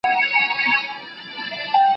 زه به سبا د ژبي تمرين کوم؟!